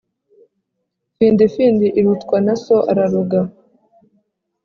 Findi findi irutwa na so araroga.